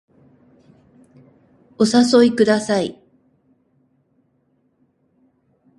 お誘いください